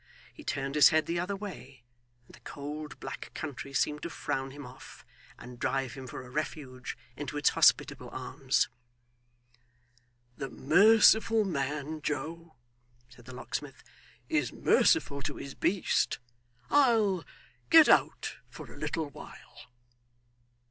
He turned his head the other way, and the cold black country seemed to frown him off, and drive him for a refuge into its hospitable arms. 'The merciful man, Joe,' said the locksmith, 'is merciful to his beast. I'll get out for a little while.